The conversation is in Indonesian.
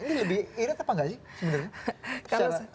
ini lebih irit apa nggak sih sebenarnya